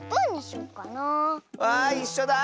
わいいっしょだ！